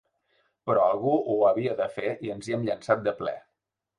Però algú ho havia de fer i ens hi hem llançat de ple.